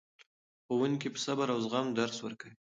ښوونکي په صبر او زغم درس ورکوي.